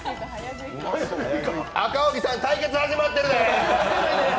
赤荻さん、対決始まってるで！